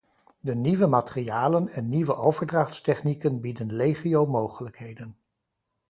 De nieuwe materialen en nieuwe overdrachtstechnieken bieden legio mogelijkheden.